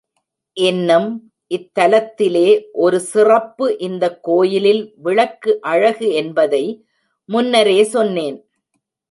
இன்னும் இத்தலத்திலே ஒரு சிறப்பு இந்தக்கோயிலில் விளக்கு அழகு என்பதை முன்னரே சொன்னேன்.